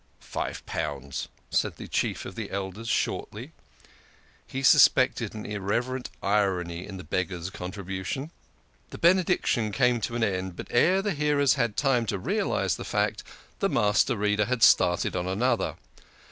" Five pounds," said the Chief of the Elders shortly. He suspected an irreverent irony in the Beggar's contribution. The Benediction came to an end, but ere the hearers had time to realise the fact, the Master Reader had started on another.